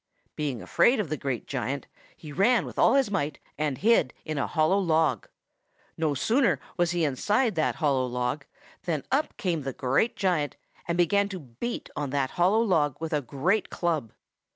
Being afraid of the great giant, he ran with all his might and hid in a hollow log. No sooner was he inside that hollow log than up came the great giant and began to beat on that hollow log with a great club.